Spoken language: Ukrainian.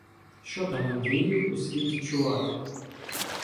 — Що там, Андрію, у світі чувати?